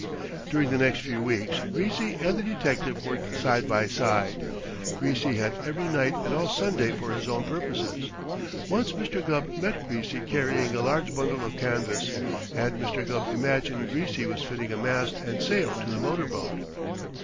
During the next few weeks Greasy and the detective worked side by side. Greasy had every night and all Sunday for his own purposes. Once Mr. Gubb met Greasy carrying a large bundle of canvas, and Mr. Gubb imagined Greasy was fitting a mast and sail to the motor boat.